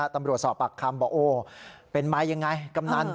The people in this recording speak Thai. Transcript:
ตำรวจสอบปากคำบอกโอ้เป็นมายังไงกำนัน